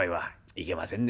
「いけませんね